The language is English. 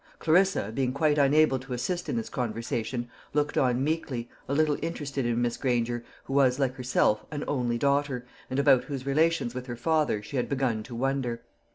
Clarissa, being quite unable to assist in this conversation, looked on meekly, a little interested in Miss Granger, who was, like herself, an only daughter, and about whose relations with her father she had begun to wonder.